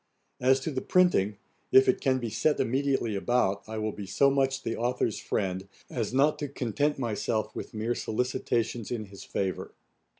As to the printing, if it can be set immediately about, I will be so much the authour's friend, as not to content myself with mere solicitations in his favour.